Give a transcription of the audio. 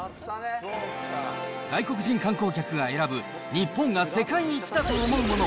外国人観光客が選ぶ日本が世界一だと思うもの